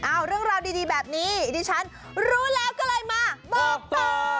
เอาเรื่องราวดีแบบนี้ดิฉันรู้แล้วก็เลยมาบอกต่อ